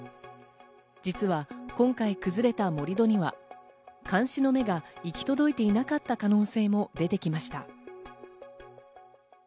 実は今回、崩れた盛り土には監視の目が行き届いていなかった可能性も出てきました。